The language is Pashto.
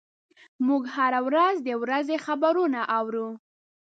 موږ هره ورځ د ورځې خبرونه اورو.